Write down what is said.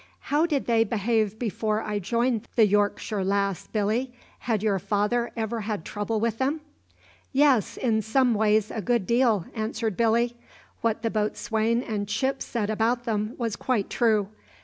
How did they behave before I joined the Yorkshire Lass, Billy? Had your father ever any trouble with them?" "Yes, in some ways a good deal," answered Billy. "What the boatswain and Chips said about them was quite true.